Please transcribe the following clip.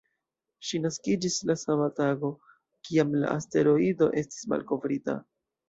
Ŝi naskiĝis la sama tago, kiam la asteroido estis malkovrita.